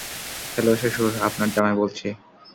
Hello-- শ্বশুর, আপনার জামাই বলছি।